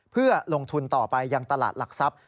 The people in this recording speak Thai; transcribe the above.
เพื่อลงทุนต่อไปยังตลาดหลักทรัพย์